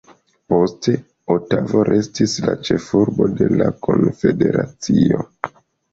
Poste, Otavo restis la ĉefurbo de la konfederacio.